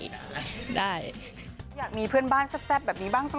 อยากมีเพื่อนบ้านแซ่บแบบนี้บ้างจ๊ะ